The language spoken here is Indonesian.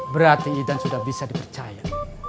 berarti idan sudah bisa dipercaya